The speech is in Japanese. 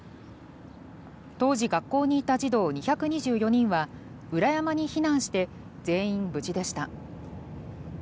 当時、学校にいた児童２２４人は裏山に避難して全員無事でした。